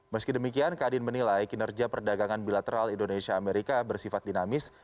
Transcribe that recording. meski demikian kadin menilai kinerja perdagangan bilateral indonesia amerika bersifat dinamis